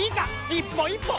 一歩一歩！